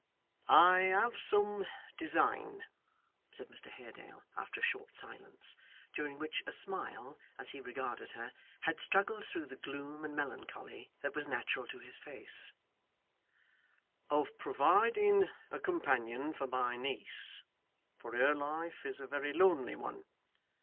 'I have some design,' said Mr Haredale after a short silence, during which a smile, as he regarded her, had struggled through the gloom and melancholy that was natural to his face, 'of providing a companion for my niece; for her life is a very lonely one.